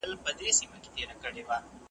نه یې زور نه یې منګول د چا لیدلی .